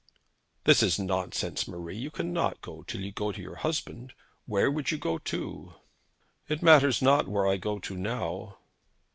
'That is nonsense, Marie. You cannot go, till you go to your husband. Where would you go to?' 'It matters not where I go to now.'